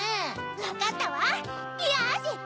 わかったわよし！